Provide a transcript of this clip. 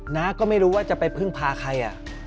น้าก็ไม่รู้ว่าจะไปพึ่งพาใคร